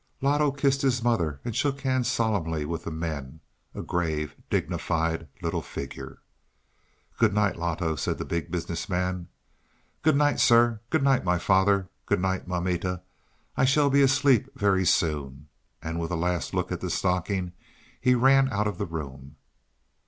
Loto kissed his mother and shook hands solemnly with the men a grave, dignified little figure. "Good night, Loto," said the Big Business Man. "Good night, sir. Good night, my father good night, mamita; I shall be asleep very soon." And with a last look at the stocking he ran out of the room.